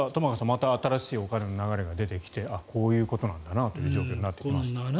また新しいお金の流れが出てきてあ、こういうことなんだなという状況になってきました。